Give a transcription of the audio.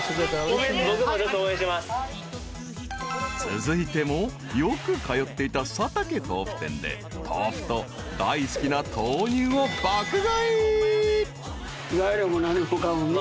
［続いてもよく通っていた佐竹豆腐店で豆腐と大好きな豆乳を爆買い］